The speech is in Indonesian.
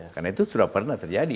karena itu sudah pernah terjadi